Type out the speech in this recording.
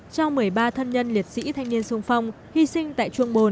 cho một mươi ba thân nhân liệt sĩ thanh niên sung phong hy sinh tại chuồng bồn